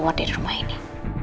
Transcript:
aku mau tidur di rumah ini